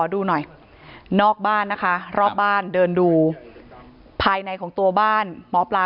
ดูหน่อยนอกบ้านนะคะรอบบ้านเดินดูภายในของตัวบ้านหมอปลา